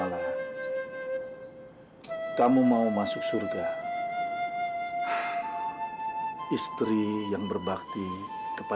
selalu menjadi istri yang baik